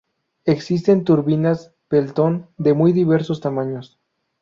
Existen turbinas Pelton de muy diversos tamaños.